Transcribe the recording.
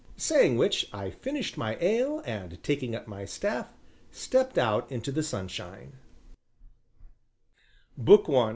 Saying which, I finished my ale and, taking up my staff, stepped out into the sunshine.